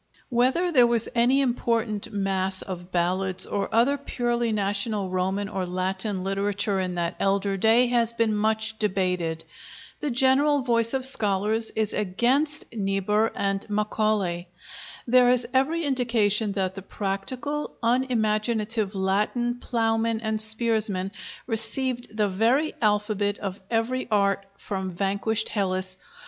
Whether there was any important mass of ballads or other purely national Roman or Latin literature in that elder day has been much debated. The general voice of scholars is against Niebuhr and Macaulay. There is every indication that the practical, unimaginative Latin plowmen and spearsmen received the very alphabet of every art from vanquished Hellas.